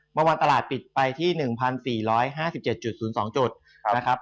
เมื่อวานตลาดปิดไปที่๑๔๕๗๐๒จุดนะครับ